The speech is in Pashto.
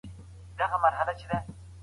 خاوند او ميرمن دواړه يو ځای نفل لمونځ کول.